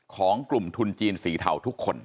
ของกลุ่มทุนจีนสีเทาทุกคน